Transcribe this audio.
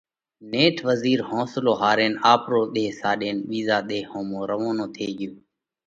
نيٺ وزِير حونصلو هارينَ آپرو ۮيه ساڏينَ ٻِيزا ۮيه ۿومو روَونو ٿي ڳيو۔